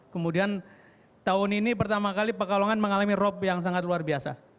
kemudian tahun ini pertama kali pekalongan mengalami rob yang sangat luar biasa